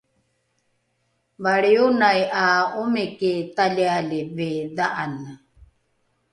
valrionai ’a omiki talialivi dha’ane